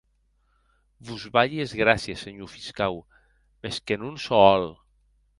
Vos balhi es gràcies, senhor fiscau, mès que non sò hòl.